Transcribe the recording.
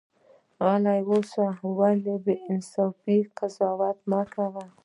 غل اوسه ولی بی انصافی قضاوت مکوه